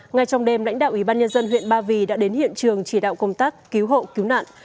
ngay trong đêm lãnh đạo ủy ban nhân dân huyện ba vì đã đến hiện trường chỉ đạo công tác cứu hộ cứu nạn